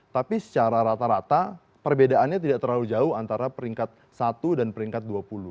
tapi secara rata rata perbedaannya tidak terlalu jauh antara peringkat satu dan peringkat dua puluh